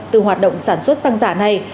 từ hoạt động sản xuất xăng giả này